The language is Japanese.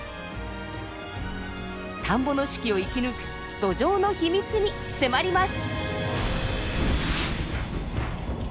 田んぼの四季を生き抜くドジョウの秘密に迫ります！